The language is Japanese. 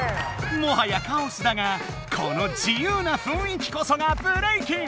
もはやカオスだがこの自由なふんい気こそがブレイキン！